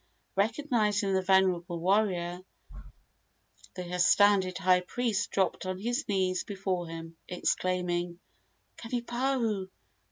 Recognizing the venerable warrior, the astounded high priest dropped on his knees before him, exclaiming, "Kanipahu!